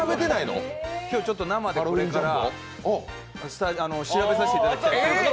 今日ちょっと生でこれから調べさせていただきたいなと。